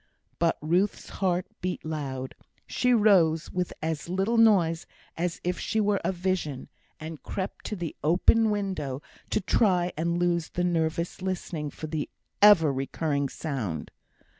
But Ruth's heart beat loud. She rose with as little noise as if she were a vision, and crept to the open window to try and lose the nervous listening for the ever recurring sound.